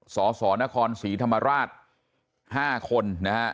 สสนครศรีธรรมราช๕คนนะฮะ